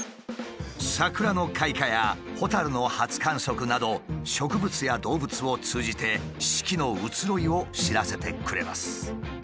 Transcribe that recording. サクラの開花やホタルの初観測など植物や動物を通じて四季の移ろいを知らせてくれます。